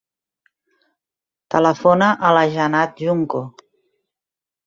Telefona a la Janat Junco.